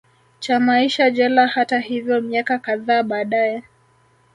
cha maisha jela Hata hivyo miaka kadhaa baadae